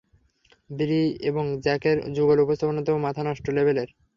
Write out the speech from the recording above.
ব্রি এবং জ্যাকের যুগল উপস্থাপনা তো মাথা নষ্ট লেভেলের!